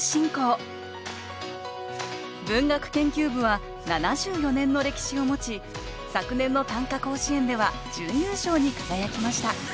文学研究部は７４年の歴史を持ち昨年の短歌甲子園では準優勝に輝きました。